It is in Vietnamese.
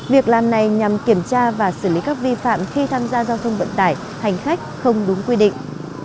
việc làm này nhằm kiểm tra và xử lý các vi phạm khi tham gia giao thông vận tải hành khách không đúng quy định